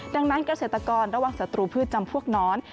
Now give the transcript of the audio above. ดังนั้นเกษตรกรระวังศัตรูพืชจำพวกน้อน